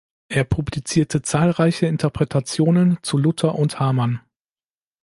Er publizierte zahlreiche Interpretationen zu Luther und Hamann.